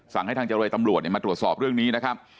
สั่งให้ทางเจรเวทัมโลศ์มาตรวจสอบเรื่องนี้นะครับ